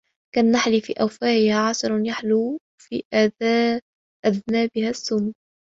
كالنحل: في أفواهها عسل يحلو وفي أذنابها السم